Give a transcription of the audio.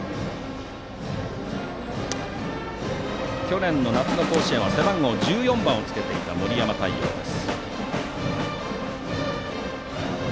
去年の夏の甲子園は背番号１４番をつけていた森山太陽です。